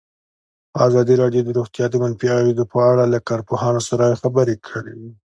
ازادي راډیو د روغتیا د منفي اغېزو په اړه له کارپوهانو سره خبرې کړي.